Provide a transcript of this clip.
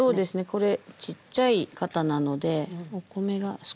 これちっちゃい型なのでお米が少ないんで。